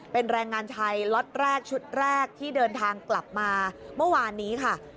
เป็นแรงงานไทยล็อตแรกชุดแรกที่เดินทางกลับมาเมื่อวานนี้ค่ะ